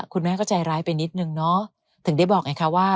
คุณแม่ก็ใจร้ายไปนิดนึงเนาะถึงได้บอกไงคะว่า